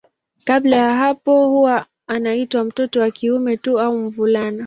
Kabla ya hapo huwa anaitwa mtoto wa kiume tu au mvulana.